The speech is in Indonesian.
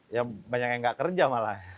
ya banyak yang nggak kerja malah